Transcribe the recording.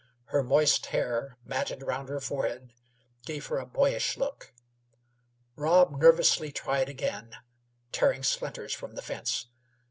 Her moist hair matted around her forehead gave her a boyish look. Rob nervously tried again, tearing splinters from the fence.